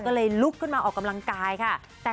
ก็เลยลุกขึ้นมาออกกำลังกายค่ะ